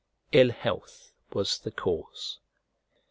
Ill health was the cause.